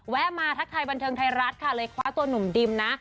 มาทักทายบันเทิงไทยรัฐค่ะเลยคว้าตัวหนุ่มดิมนะ